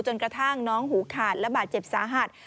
จนกระทั่งน้องหูขาดและบาดเจ็บสาหัส